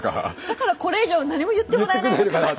「だからこれ以上何も言ってもらえないのかな」。